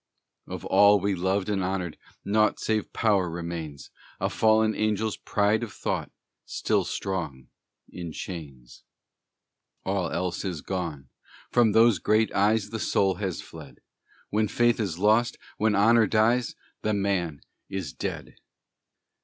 Of all we loved and honored, naught Save power remains; A fallen angel's pride of thought, Still strong in chains. All else is gone; from those great eyes The soul has fled; When faith is lost, when honor dies, The man is dead!